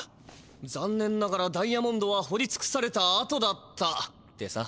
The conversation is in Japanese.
「ざんねんながらダイヤモンドはほりつくされたあとだった」ってさ。